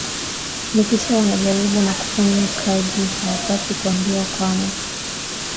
Na kisha wanajaribu na kufanya kazi Hawapaswi kuambiwa kamwe